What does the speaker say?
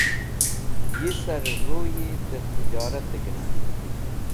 Yisarẽ ewuri tẽr tijoratẽ gẽna.